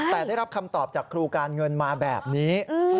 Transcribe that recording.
แต่ได้รับคำตอบจากครูการเงินมาแบบนี้